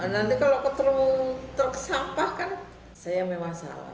nanti kalau ketemu truk sampah kan saya memang salah